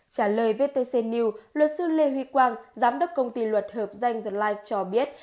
trả lời vtc news luật sư lê huy quang giám đốc công ty luật hợp danh then life cho biết